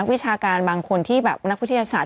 อักษฎาการบางคนนักวิทยาศาสตร์